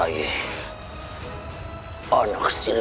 asten gan rumia ku disini